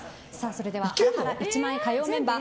それでは、ハラハラ１万円火曜メンバー